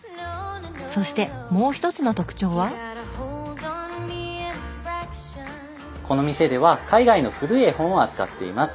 そしてもう一つの特徴はこの店では海外の古い絵本を扱っています。